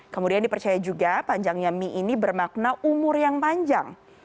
kemudian dipercaya juga panjangnya mie ini bermakna umur yang panjang